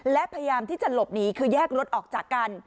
และพยายามที่จะหลบหนีคือแยกรถออกจากกัน